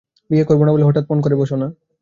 বিয়ে করব না বলে হঠাৎ পণ করে বোসো না।